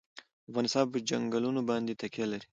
افغانستان په چنګلونه باندې تکیه لري.